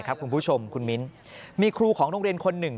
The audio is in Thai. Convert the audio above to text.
คุณผู้ชมคุณมิ้นมีครูของโรงเรียนคนหนึ่ง